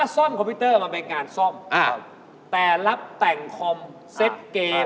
คอมพิวเตอร์มันเป็นงานซ่อมแต่รับแต่งคอมเซ็ตเกม